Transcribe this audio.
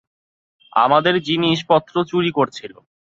আমাদের জিনিস পত্র চুরি করছিল।